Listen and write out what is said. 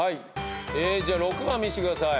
じゃあ６番見してください。